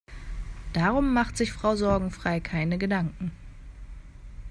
Darum macht sich Frau Sorgenfrei keine Gedanken.